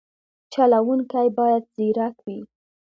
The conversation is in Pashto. چلوونکی باید ځیرک وي.